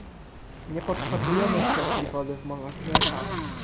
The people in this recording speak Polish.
"Nie potrzebujemy kropli wody w morzach mleka"